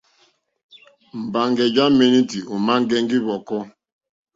Mbaŋgè ja menuti òma ŋgɛŋgi hvɔkɔ.